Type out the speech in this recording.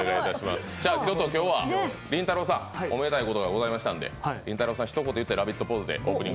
今日は、りんたろーさん、おめでたいことがございましたので、りんたろーさん、ひと言言ってラヴィットポーズに。